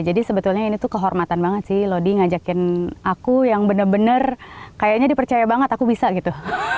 jadi sebetulnya ini tuh kehormatan banget sih lodi ngajakin aku yang bener bener kayaknya dipercaya banget aku bisa gitu